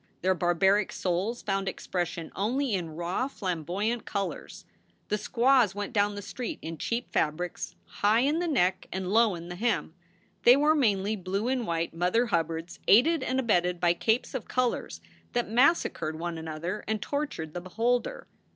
Their barbaric souls found expression only in raw, flamboy ant colors. The squaws went down the street in cheap fabrics, high in the neck and low in the hem. They w T ore mainly blue and white Mother Hubbards aided and abetted by capes of colors that massacred one another and tortured the beholder.